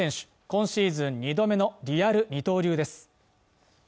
今シーズン２度目のリアル二刀流です